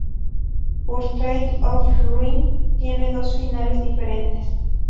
Portrait of Ruin tiene dos finales diferentes.